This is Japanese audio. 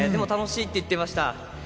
楽しいって言ってました。